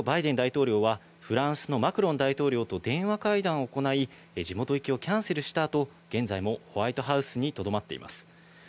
その後、バイデン大統領はフランスのマクロン大統領と電話会談を行い、地元行きをキャンセルした後、現在もホワイトハウスにとどまっています。